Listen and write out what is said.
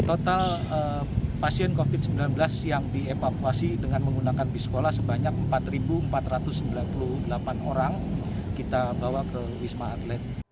total pasien covid sembilan belas yang dievakuasi dengan menggunakan bis sekolah sebanyak empat empat ratus sembilan puluh delapan orang kita bawa ke wisma atlet